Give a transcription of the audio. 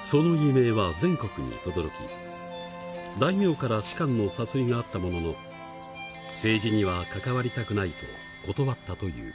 その威名は全国にとどろき大名から仕官の誘いがあったものの政治には関わりたくないと断ったという。